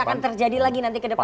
akan terjadi lagi nanti ke depan